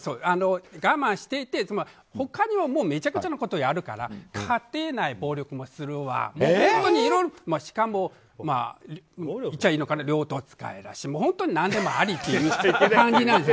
我慢していて他にもめちゃくちゃなことをやるから家庭内暴力もするわしかも、両刀使いだし何でもありっていう感じなんです。